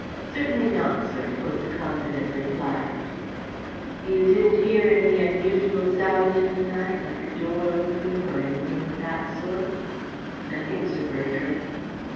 "Certainly not, sir," was the confident reply. "You didn't hear any unusual sound in the night like a door opening or anything of that sort?" "Nothing, Sir Bertram."